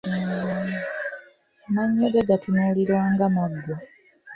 Amannyo ge gatunuulirwa ng’amaggwa.